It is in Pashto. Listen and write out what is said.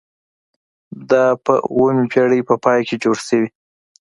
دا په اوومې پیړۍ په پای کې جوړ شوي.